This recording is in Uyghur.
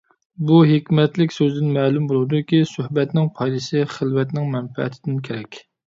بۇ ھېكمەتلىك سۆزدىن مەلۇم بولىدۇكى، سۆھبەتنىڭ پايدىسى خىلۋەتنىڭ مەنپەئىتىدىن كۆپرەك.